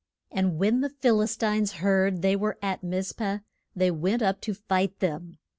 And when the Phil is tines heard they were at Miz peh, they went up to fight them.